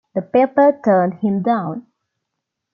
The paper turned him down.